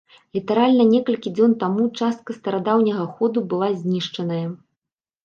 Літаральна некалькі дзён таму частка старадаўняга ходу была знішчаная.